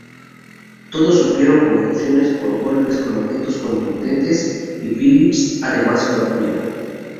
Todos sufrieron contusiones por golpes con objetos contundentes y Philips además fue apuñalado.